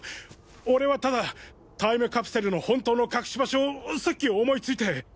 俺はただタイムカプセルの本当の隠し場所をさっき思いついて。